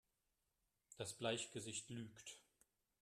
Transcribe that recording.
Das Bleichgesicht lügt!